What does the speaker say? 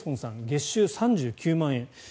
月収３９万円。